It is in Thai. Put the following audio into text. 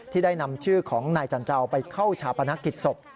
ได้นำชื่อของนายจันเจ้าไปเข้าชาปนกิจศพ